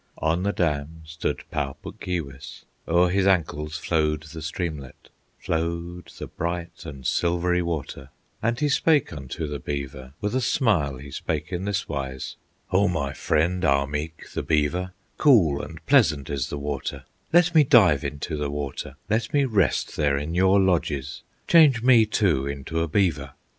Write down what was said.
On the dam stood Pau Puk Keewis, O'er his ankles flowed the streamlet, Flowed the bright and silvery water, And he spake unto the beaver, With a smile he spake in this wise: "O my friend Ahmeek, the beaver, Cool and pleasant is the water; Let me dive into the water, Let me rest there in your lodges; Change me, too, into a beaver!"